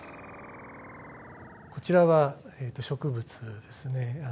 こちらは植物ですね。